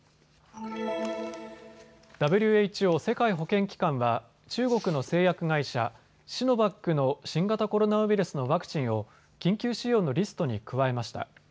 ＷＨＯ・世界保健機関は中国の製薬会社、シノバックの新型コロナウイルスのワクチンを緊急使用のリストに加えました。